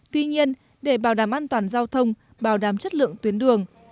tuy nhiên để bảo đảm an toàn giao thông bảo đảm chất lượng tuyến đường